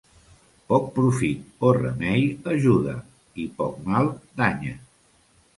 Poc profit o remei ajuda i poc mal danya.